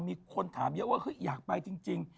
มีคนถามเยอะว่าเฮ้ยอยากไปจริง